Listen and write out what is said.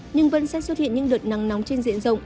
nhưng vẫn sẽ xuất hiện những đợt nắng nóng trên diện rộng